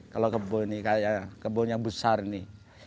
kalau kebun ini kayak kebun yang besar ini